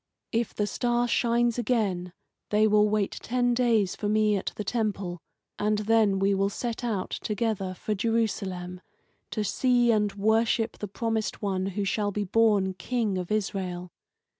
If the star shines again, they will wait ten days for me at the temple, and then we will set out together for Jerusalem, to see and worship the promised one who shall be born King of Israel.